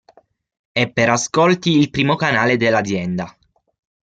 È per "ascolti" il primo canale dell'azienda.